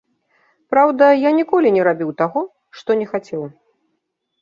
Праўда, я ніколі не рабіў таго, што не хацеў.